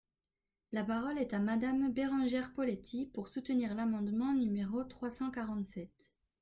La parole est à Madame Bérengère Poletti, pour soutenir l’amendement numéro trois cent quarante-sept.